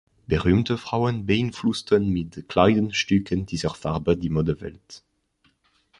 Berühmte Frauen beeinflussten mit Kleidungsstücken dieser Farbe die Modewelt.